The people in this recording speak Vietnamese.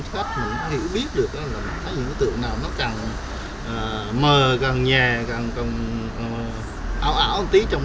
cách mà nó hiểu biết được đó là những cái tượng nào nó càng mờ càng nhè càng càng ảo ảo một tí trong